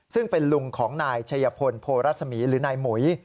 ซึ่งเป็นลุงของนายชัยพลโพรัศมีหรือนายหมุย